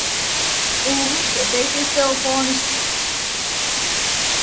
Lūgums pieteikties telefoniski!